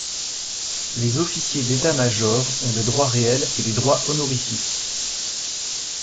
Les officiers d’état-major ont des droits réels et des droits honorifiques.